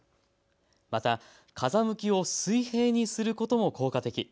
また風向きを水平にすることも効果的。